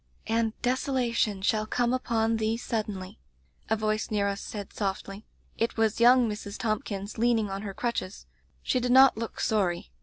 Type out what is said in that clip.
"*"^n</ desolation shall come upon thee suddenly^^^ a voice near us said sofdy. It was young Mrs. Thompkins, leaning on her crutches. She did not look sorry.